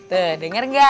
tuh denger gak